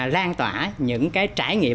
lan tỏa những cái trải nghiệm